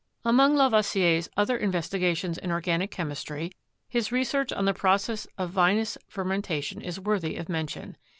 Among Lavoisier's other investigations in organic chem istry, his research on the process of vinous fermentation is worthy of mention.